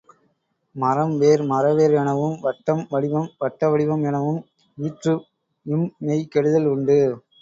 மரம் வேர் மரவேர் எனவும், வட்டம் வடிவம் வட்ட வடிவம் எனவும் ஈற்று ம் மெய் கெடுதல் உண்டு.